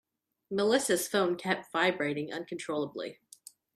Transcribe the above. Melissa's phone kept vibrating uncontrollably.